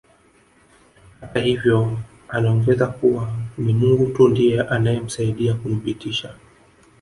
Hata hivyo anaongeza kuwa ni Mungu tu ndiye anayemsaidia kumpitisha